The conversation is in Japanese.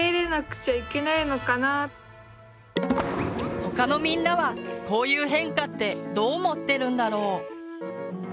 他のみんなはこういう変化ってどう思ってるんだろう？